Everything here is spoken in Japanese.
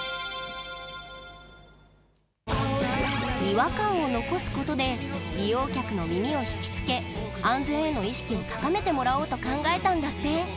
違和感を残すことで利用者の耳を引きつけ安全への意識を高めてもらおうと考えてたんだって。